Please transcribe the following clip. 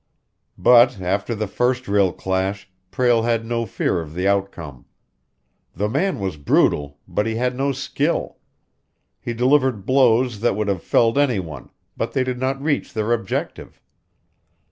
But, after the first real clash, Prale had no fear of the outcome. The man was brutal, but he had no skill. He delivered blows that would have felled any one but they did not reach their objective.